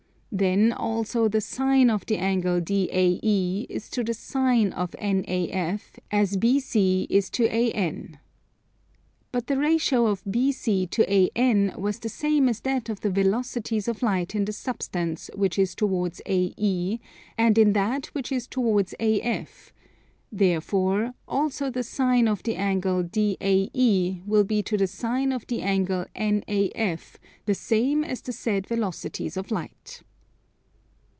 Then also the Sine of the angle DAE is to the Sine of NAF as BC is to AN. But the ratio of BC to AN was the same as that of the velocities of light in the substance which is towards AE and in that which is towards AF; therefore also the Sine of the angle DAE will be to the Sine of the angle NAF the same as the said velocities of light.